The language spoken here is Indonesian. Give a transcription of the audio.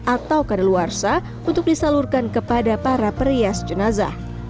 atau kadaluarsa untuk disalurkan kepada para perias jenazah